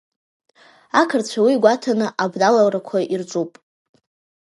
Ақырҭцәа уи гәаҭаны абналарақәа ирҿуп.